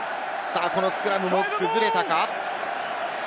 このスクラムも崩れたか？